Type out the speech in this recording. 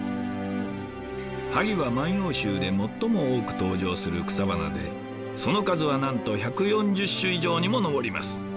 萩は「万葉集」で最も多く登場する草花でその数はなんと１４０首以上にも上ります。